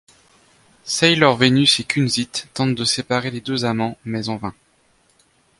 Sailor Venus et Kunzite tentent de séparer les deux amants, mais en vain.